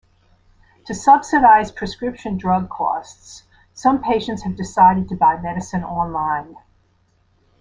To subsidize prescription drug costs, some patients have decided to buy medicine online.